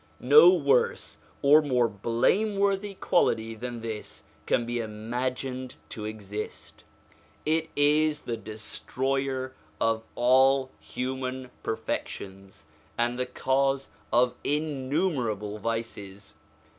No worse or more blameworthy quality than this can be imagined to exist ; it is the destroyer of all human perfections, and the cause of innumerable vices.